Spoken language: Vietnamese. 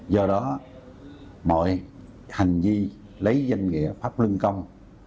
do đó mọi hành vi lấy danh nghĩa pháp lưng công